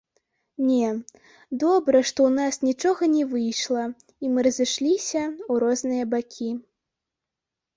Не, добра, што ў нас нічога не выйшла і мы разышліся ў розныя бакі.